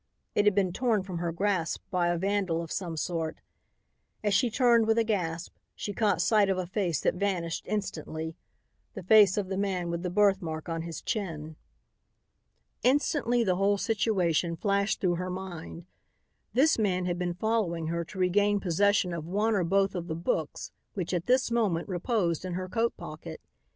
It had been torn from her grasp by a vandal of some sort. As she turned with a gasp, she caught sight of a face that vanished instantly, the face of the man with the birthmark on his chin. Instantly the whole situation flashed through her mind; this man had been following her to regain possession of one or both of the books which at this moment reposed in her coat pocket.